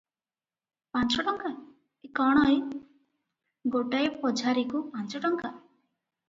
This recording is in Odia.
ପାଞ୍ଚ ଟଙ୍କା! ଏ କ'ଣ ଏ! ଗୋଟାଏ ପଝାରିକୁ ପାଞ୍ଚ ଟଙ୍କା?